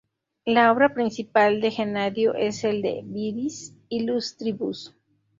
La obra principal de Genadio es el "De viris illustribus".